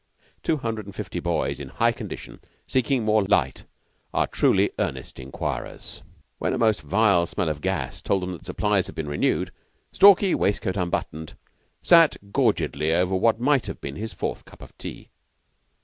Two hundred and fifty boys in high condition, seeking for more light, are truly earnest inquirers. When a most vile smell of gas told them that supplies had been renewed, Stalky, waistcoat unbuttoned, sat gorgedly over what might have been his fourth cup of tea.